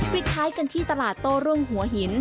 ปิดท้ายกันที่ตลาดโต้รุ่งหัวหิน